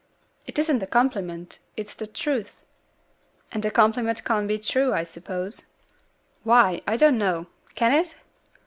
"It isn't a compliment; it's the truth." "And a compliment can't be the truth, I suppose?" "Why, I don't know. Can it?"